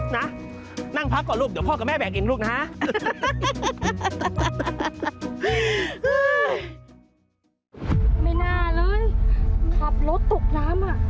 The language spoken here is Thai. นะนั่งพักก่อนลูกเดี๋ยวพ่อกับแม่แบกเองลูกนะฮะ